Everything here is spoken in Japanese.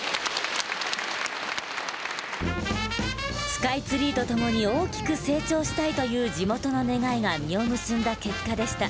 スカイツリーと共に大きく成長したいという地元の願いが実を結んだ結果でした。